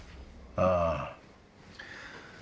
ああ。